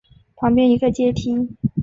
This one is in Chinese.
旁边一个阶梯